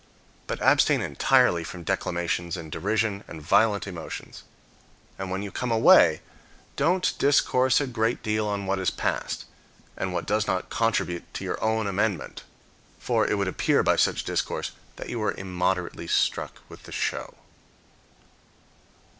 But abstain entirely from declamations and derision and violent emotions. And when you come away, don't discourse a great deal on what has passed, and what does not contribute to your own amendment. For it would appear by such discourse that you were immoderately struck with the show.